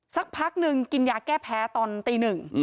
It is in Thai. สักพักนึงกินยาแก้แพ้ตอนตีหนึ่ง